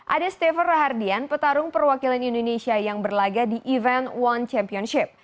ada stefer rahardian petarung perwakilan indonesia yang berlaga di event one championship